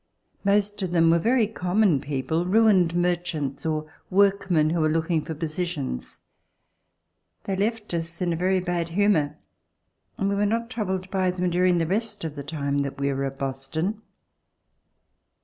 Most of them were very common people: ruined merchants, or workmen who were looking for positions. They left us in very bad humor, and we were not troubled by them during the rest of the time that we were at Boston.